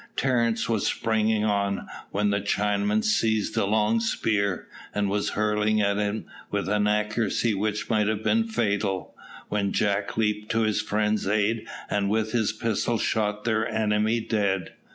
Terence was springing on, when the Chinaman seized a long spear, and was hurling it at him with an accuracy which might have been fatal, when Jack leaped to his friend's aid, and with his pistol shot their enemy dead.